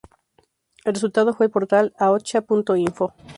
El resultado fue el portal Ahotsa.info.